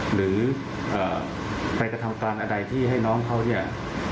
หรือไปกระทำการอะไรที่ให้น้องเขาเนี่ย